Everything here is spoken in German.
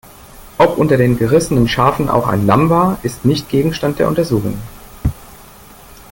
Ob unter den gerissenen Schafen auch ein Lamm war, ist nicht Gegenstand der Untersuchungen.